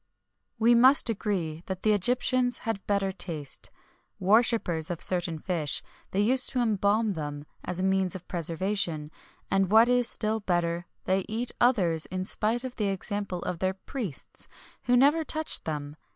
We must agree that the Egyptians had better taste. Worshippers of certain fish, they used to embalm them[XXI 3] as a means of preservation; and what is still better, they eat others in spite of the example of their priests, who never touched them.